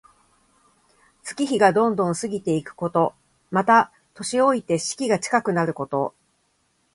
月日がどんどん過ぎていくこと。また、年老いて死期が近くなること。